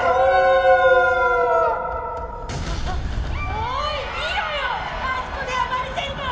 おい見ろよ！